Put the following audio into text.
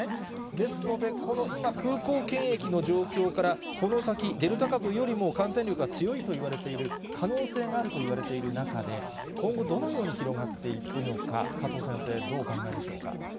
ですので、この今、空港検疫の状況から、この先、デルタ株よりも感染力が強いといわれている、可能性があるといわれている中で、今後どのように広がっていくのか、加藤先生、どうお考えでしょうか。